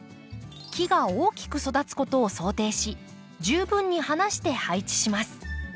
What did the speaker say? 木が大きく育つことを想定し十分に離して配置します。